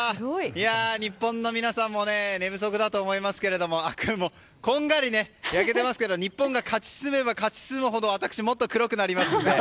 日本の皆さんも寝不足だと思いますけどこんがり焼けていますけど日本が勝ち進めば進むほど私、もっと黒くなりますので。